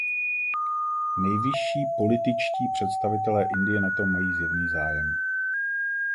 Nejvyšší političtí představitelé Indie na tom mají zjevný zájem.